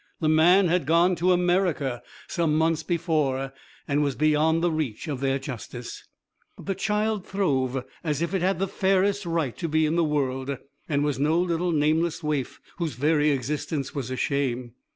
The man had gone to America some months before, and was beyond the reach of their justice. But the child throve as if it had the fairest right to be in the world, and was no little nameless waif whose very existence was a shame.